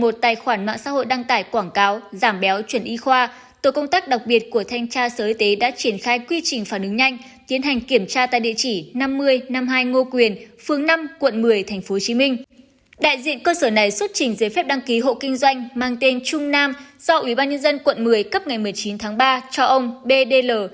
đại diện cơ sở này xuất trình giấy phép đăng ký hộ kinh doanh mang tên trung nam do ủy ban nhân dân quận một mươi cấp ngày một mươi chín tháng ba cho ông b d l